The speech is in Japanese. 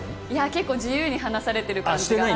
結構、自由に話されてる感じが。